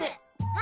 あ！